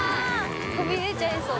飛び出ちゃいそう。